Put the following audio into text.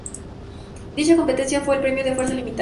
Dicha competencia fue el premio de fuerza limitada.